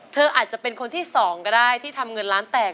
เธออาจจะเป็นคนที่สองก็ได้ที่ทำเงินล้านแตก